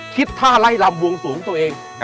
ท่าไล่รำวงสวงตัวเอง